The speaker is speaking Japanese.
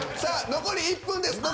残り１分です。